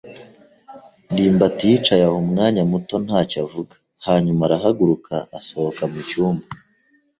ndimbati yicaye aho umwanya muto ntacyo avuga, hanyuma arahaguruka asohoka mu cyumba.